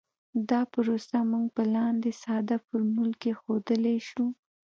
دا پروسه موږ په لاندې ساده فورمول کې ښودلی شو